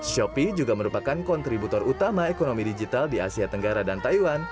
shopee juga merupakan kontributor utama ekonomi digital di asia tenggara dan taiwan